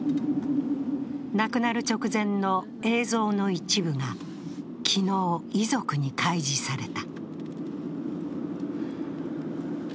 亡くなる直前の映像の一部が昨日、遺族に開示された。